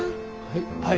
はい。